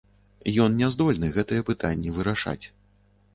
Ён не здольны гэтыя пытанні вырашаць.